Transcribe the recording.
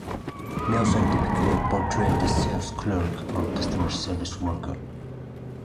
Nelson typically portrayed a sales clerk or customer service worker.